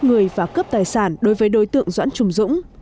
người và cướp tài sản đối với đối tượng doãn trùng dũng